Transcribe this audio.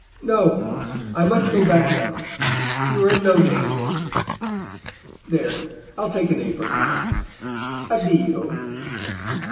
No! I must go back now; you are in no danger. There—I'll take an apricot. Addio!"